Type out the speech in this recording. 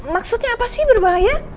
maksudnya apa sih berbahaya